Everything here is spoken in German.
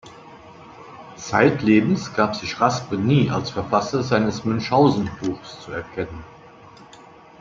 Zeitlebens gab sich Raspe nie als Verfasser seines Münchhausen-Buches zu erkennen.